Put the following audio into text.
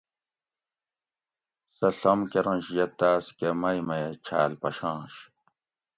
سہ ڷم کرنش یہ تاۤس کہ مئ میہ چھال پشانش